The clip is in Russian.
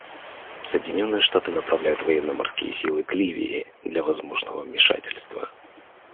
Соединенные Штаты направляют военно-морские силы к Ливии для возможного вмешательства».